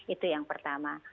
itu yang pertama